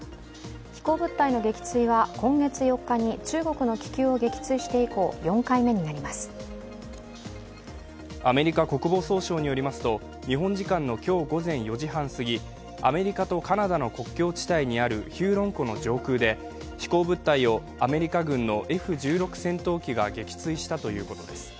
飛行物体の撃墜は、今月４日に中国の気球を撃墜して以降アメリカ国防総省によりますと日本時間の今日午前４時半すぎアメリカとカナダの国境地帯にあるヒューロン湖の上空で飛行物体をアメリカ軍のＦ−１６戦闘機が撃墜したということです。